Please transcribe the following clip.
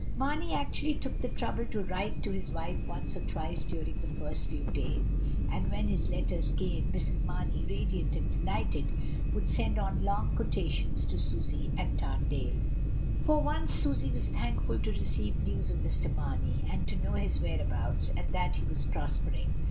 Mamey actually took the trouble to write to his WAR AND RUMOXni OF WAR. I5I wife once or twice during the first few days; and when his letters came, Mrs. Mamey, radiant and delighted, would send on long quotations to Susy at Tamdale. For once Susy was thankful to receive news of Mr. Mamey, and to know his whereabouts, and that he was prospering.